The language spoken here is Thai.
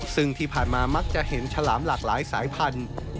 ซึ่งที่ผ่านมามักจะเห็นฉลามหลากหลายสายพันธุ์